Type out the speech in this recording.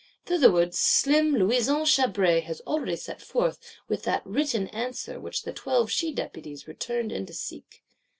Thitherward slim Louison Chabray has already set forth, with that "written answer," which the Twelve She deputies returned in to seek.